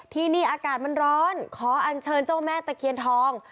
ที่นี่อากาศมันร้อนขออันเชิญเจ้าแม่ตะเคียนทอง